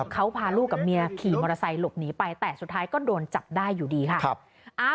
เขาพาลูกกับเมียขี่มอเตอร์ไซค์หลบหนีไปแต่สุดท้ายก็โดนจับได้อยู่ดีค่ะ